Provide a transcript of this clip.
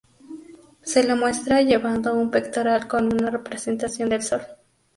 Se le muestra llevando un pectoral con una representación del sol.